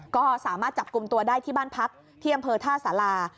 ก็สามารถจับกลุ่มตัวได้ที่บ้านพักที่อำเภอท่าสารา